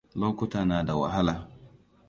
Lokuta na da wahala.